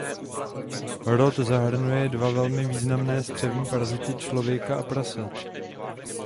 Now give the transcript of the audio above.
Rod zahrnuje dva velmi významné střevní parazity člověka a prasat.